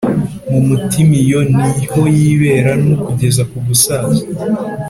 Mumutima iyo niho yibera nukugeza kugusaza